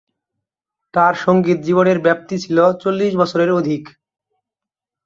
তার সঙ্গীত জীবনের ব্যপ্তি ছিল চল্লিশ বছরের অধিক।